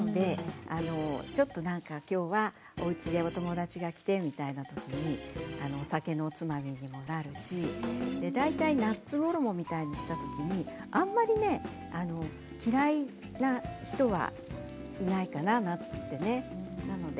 ちょっとなんかきょうはおうちにお友達が来てというようなときにお酒のおつまみにもなるし大体ナッツ衣みたいにしたときにあんまりね嫌いな人はいないかなナッツってね。